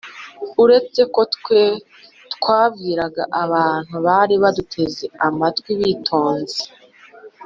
Uretse ko twe twabwiraga abantu bari baduteze amatwi bitonze